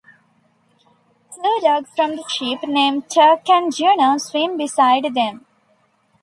Two dogs from the ship named Turk and Juno swim beside them.